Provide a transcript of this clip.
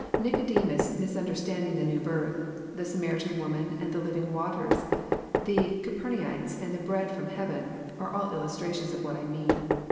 Nic odemus misunderstanding the new birth, the Samaritan woman and the living waters, the Capemaites and the bread ft'om hea ven, are all illustrations of what I mean.